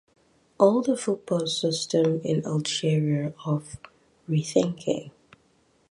All the football system in Algeria of rethinking.